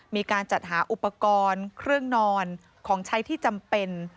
มีการจัดหาอุปกรณ์เครื่องนอนของใช้ที่จำเป็น